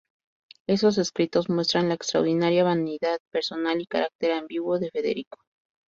Esos escritos muestran la extraordinaria vanidad personal y el carácter ambiguo de Federico.